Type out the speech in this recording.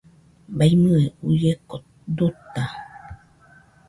Baiñɨe uieko duta